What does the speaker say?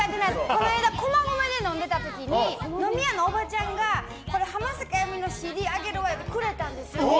この間、駒込で飲んでた時に飲み屋のおばちゃんがこれ浜崎あゆみのＣＤあげるわよってくれたんです。